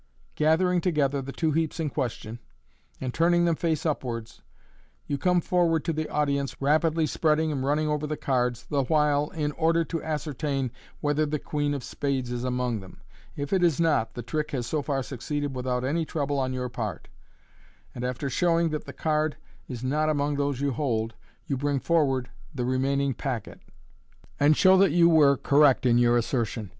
Gathering together the two heaps in question, and turning them face upwards, you come forward to the audience, rapidly spreading and running over the cards the while in order to ascertain whether the queen of spades is among them. If it is not, the trick has so far succeeded without any trouble on your part $ and, after showing that the card is not among those you hold, you bring forward the remaining packet, and show that you were correct in your assertion.